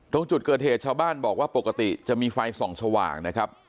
ตรงจุดเกิดเหตุชาวบ้านบอกว่าปกติจะมีไฟส่องสว่างนะครับ